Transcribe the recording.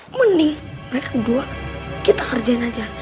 mending mereka berdua kita kerjain aja